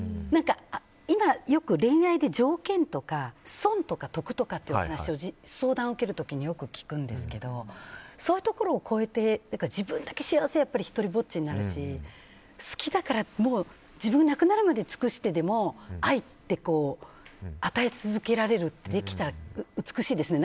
今、よく恋愛で条件とか損とか得とかってお話を、相談を受ける時によく聞くんですけどそういうところを超えて自分だけ幸せだとやっぱり独りぼっちになるし好きだからもう、自分がなくなるまで尽くしてでも愛って与え続けることができたら美しいですよね。